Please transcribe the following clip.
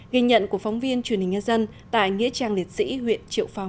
ghi nhận của phóng viên truyền hình nhân dân tại nghĩa trang liệt sĩ huyện triệu phong